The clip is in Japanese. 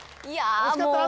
惜しかったね